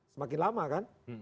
semakin lama kan